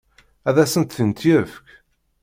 Ad asen-tent-yefk?